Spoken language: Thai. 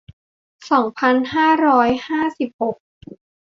สองพันห้าร้อยห้าสิบหก